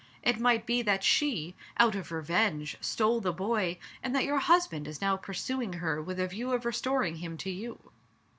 It might be that she, out of revenge, stole the boy, and that your husband is now pursuing her with a view of restoring him to you."